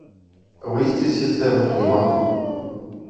Выйсці з сістэмы не магу.